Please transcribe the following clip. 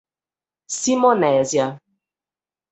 Simonésia